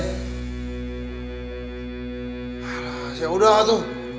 ya udah aduh